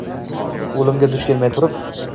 Oʼlimga duch kelmay turib.